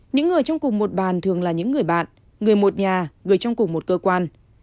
những người trong cùng một bàn thường là những người bạn người một nhà người trong cùng một cơ quan